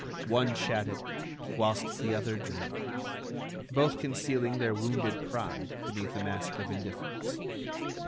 One chatted, whilst the other dreamed; both concealing their wounded pride beneath a mask of indifference.